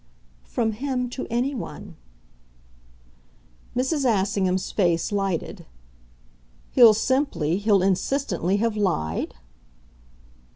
"From him to any one." Mrs. Assingham's face lighted. "He'll simply, he'll insistently have lied?"